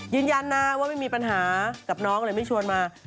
ยืนยันนะว่าไม่มีปัญหากับน้องเลยไม่ชวนมา